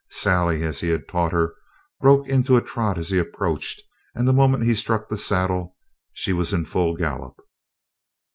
Sally, as he had taught her, broke into a trot as he approached, and the moment he struck the saddle she was in full gallop.